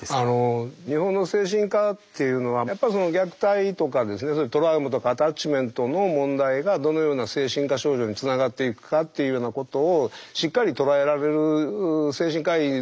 日本の精神科っていうのはやっぱり虐待とかトラウマとかアタッチメントの問題がどのような精神科症状につながっていくかっていうようなことをしっかり捉えられる精神科医の数は少ないかなと。